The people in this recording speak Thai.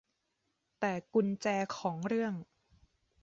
แต่กุญแจของเรื่อง